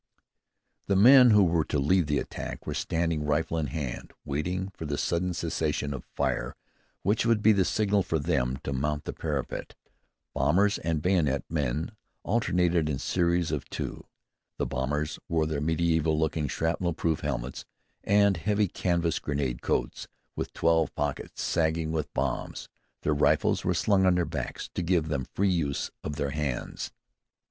The men who were to lead the attack were standing rifle in hand, waiting for the sudden cessation of fire which would be the signal for them to mount the parapet. Bombers and bayonet men alternated in series of two. The bombers wore their mediæval looking shrapnel proof helmets and heavy canvas grenade coats with twelve pockets sagging with bombs. Their rifles were slung on their backs to give them free use of their hands.